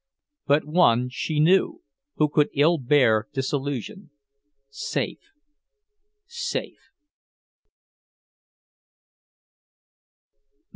But one she knew, who could ill bear disillusion... safe, safe.